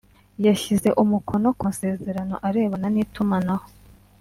yashyize umukono ku masezerano arebana n’itumanaho